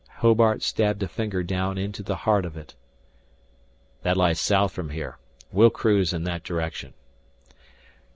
Hobart stabbed a finger down into the heart of it. "This lies south from here. We'll cruise in that direction."